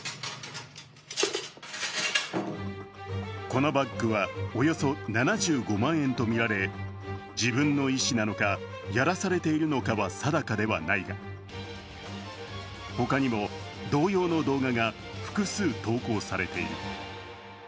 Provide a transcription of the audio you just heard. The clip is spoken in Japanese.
このバッグはおよそ７５万円とみられ、自分の意思なのか、やらされているのかは定かではないが他にも同様の動画が複数投稿されている。